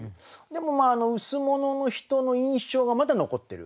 でも羅の人の印象がまだ残ってる。